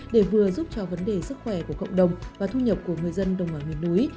để vừa giúp cho vấn đề sức khỏe của cộng đồng và thu nhập của người dân đồng ở miền núi